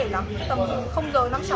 nhưng mà nó cũng không đáng kể lắm